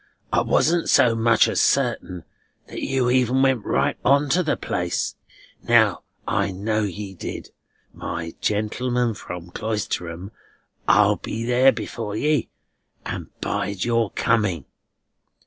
I wasn't so much as certain that you even went right on to the place. Now I know ye did. My gentleman from Cloisterham, I'll be there before ye, and bide your coming.